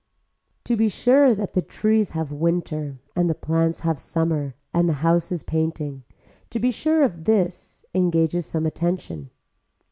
To be sure that the trees have winter and the plants have summer and the houses painting, to be sure of this engages some attention.